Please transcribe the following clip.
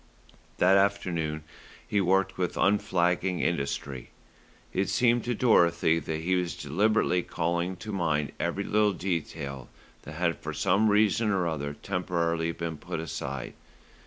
That afternoon he worked with unflagging industry. It seemed to Dorothy that he was deliberately calling to mind every little detail that had for some reason or other temporarily been put aside.